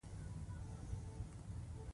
• ونه خاوره نه پرېږدي چې وریږي.